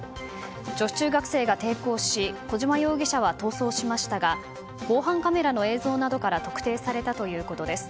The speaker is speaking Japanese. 女子中学生が抵抗し小島容疑者は逃走しましたが防犯カメラの映像などから特定されたということです。